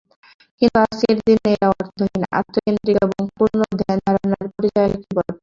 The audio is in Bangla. কিন্তু আজকের দিনে এটা অর্থহীন, আত্মকেন্দ্রিক এবং পুরোনো ধ্যানধারণার পরিচায়কই বটে।